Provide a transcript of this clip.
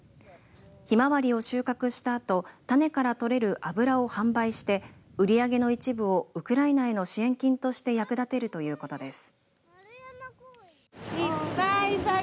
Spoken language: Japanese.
ひまわりを収穫したあと種から取れる油を販売して売り上げの一部をウクライナへの支援金として役立てるということです。